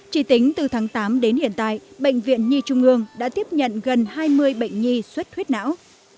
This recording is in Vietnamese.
chỉ tính từ tháng tám đến hiện tại bệnh viện nhi trung ương đã tiếp nhận gần hai mươi bệnh nhi suất huyết não